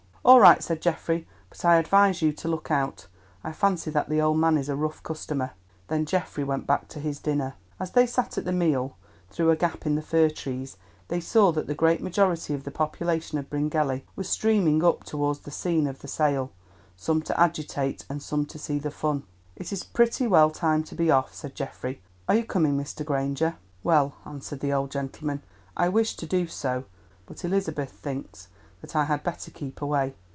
"All right," said Geoffrey, "but I advise you to look out. I fancy that the old man is a rough customer." Then Geoffrey went back to his dinner. As they sat at the meal, through a gap in the fir trees they saw that the great majority of the population of Bryngelly was streaming up towards the scene of the sale, some to agitate, and some to see the fun. "It is pretty well time to be off," said Geoffrey. "Are you coming, Mr. Granger?" "Well," answered the old gentleman, "I wished to do so, but Elizabeth thinks that I had better keep away.